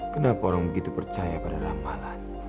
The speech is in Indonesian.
kenapa orang begitu percaya pada ramalan